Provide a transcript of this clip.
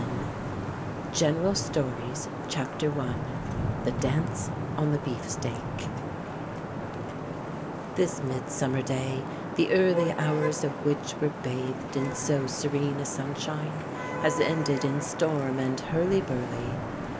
66 GENERAL STORIES THE DANCE ON THE BEEFSTEAK This Midsummer day, the early hours of which were bathed in so serene a sunshine, has ended in storm and hurly burly.